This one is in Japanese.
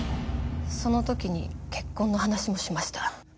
その時に結婚の話もしました。